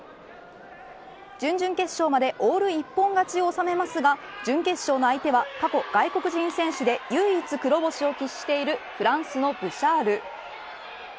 準々決勝までオール一本勝ちを収めますが準決勝の相手は過去外国人選手で唯一黒星を喫しているフランスのブシャール。